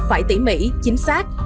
phải tỉ mỉ chính xác